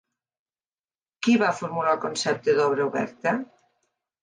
Qui va formular el concepte d'"obra oberta"?